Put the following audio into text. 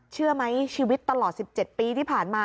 เชื่อไหมชีวิตตลอด๑๗ปีที่ผ่านมา